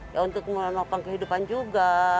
itu kemampuan kehidupan juga